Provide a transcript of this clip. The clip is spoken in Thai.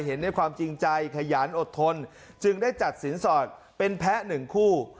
เห็นในความจริงใจขยันอดทนจึงได้จัดสินสอดเป็นแพ้หนึ่งคู่